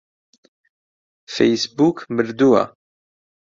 فەیسبووک مردووە.